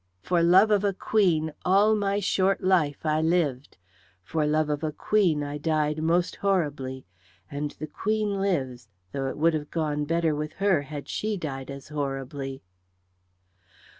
For love of a queen all my short life I lived. For love of a queen I died most horribly; and the queen lives, though it would have gone better with her had she died as horribly."